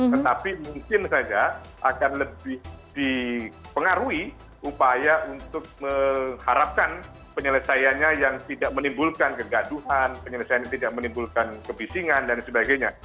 tetapi mungkin saja akan lebih dipengaruhi upaya untuk mengharapkan penyelesaiannya yang tidak menimbulkan kegaduhan penyelesaian yang tidak menimbulkan kebisingan dan sebagainya